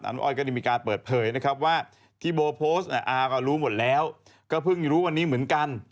อ้อยก็ได้มีการเปิดเผยนะครับว่าที่โบโพสต์อาก็รู้หมดแล้วก็เพิ่งรู้วันนี้เหมือนกัน